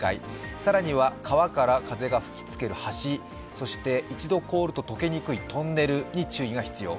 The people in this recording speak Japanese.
更には川から風が吹きつける橋、一度凍ると溶けにくいトンネルに注意が必要。